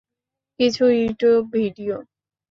কিছু YouTube video.